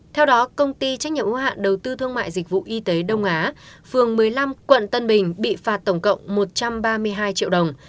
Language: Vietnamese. theo đó công ty trách nhiệm ưu hạn đầu tư thương mại dịch vụ y tế đông á phường một mươi năm quận tân bình bị phạt tổng cộng một trăm ba mươi hai triệu đồng